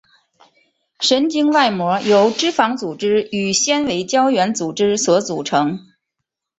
神经外膜由脂肪组织与纤维胶原组织所组成。